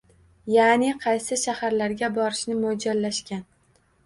Yana qaysi shaharlarga borishni mo'ljallashgan?